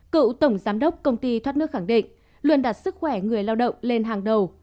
cựu tổng giám đốc công ty thoát nước khẳng định luôn đặt sức khỏe người lao động lên hàng đầu